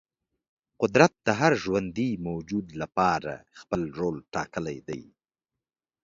قدرت د هر ژوندې موجود لپاره خپل رول ټاکلی دی.